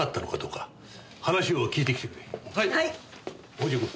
北条君。